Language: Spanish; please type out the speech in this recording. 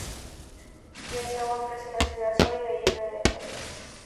Getting Up ofrece una ciudad sólida y llena de detalle.